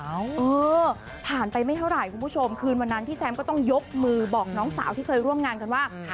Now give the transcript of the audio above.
เออผ่านไปไม่เท่าไหร่คุณผู้ชมคืนวันนั้นพี่แซมก็ต้องยกมือบอกน้องสาวที่เคยร่วมงานกันว่า